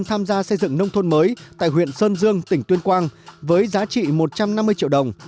tham gia xây dựng nông thôn mới tại huyện sơn dương tỉnh tuyên quang với giá trị một trăm năm mươi triệu đồng